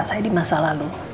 saya dimaksudkan dengan itu